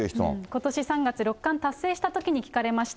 ことし３月、六冠達成したときに聞かれました。